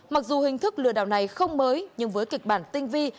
mặc dù hình thức lừa đảo này không mới nhưng với kịch bản tinh vi